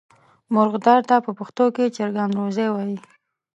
مرغدار ته په پښتو کې چرګان روزی وایي.